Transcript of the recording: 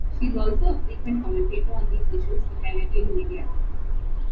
She is also a frequent commentator on these issues for Canadian media.